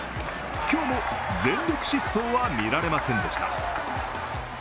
今日も全力疾走は見られませんでした。